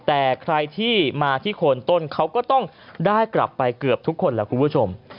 แต่ใครที่มาที่โคนต้นเขาก็ต้องได้กลับไปเกือบทุกคนแหละคุณผู้ชม